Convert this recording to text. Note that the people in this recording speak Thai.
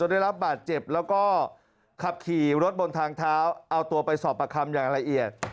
ได้รับบาดเจ็บแล้วก็ขับขี่รถบนทางเท้าเอาตัวไปสอบประคำอย่างละเอียด